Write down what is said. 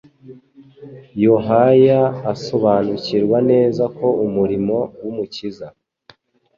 Yohaya asobanukirwa neza ko umurimo w'Umukiza